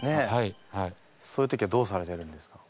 そういう時はどうされてるんですか？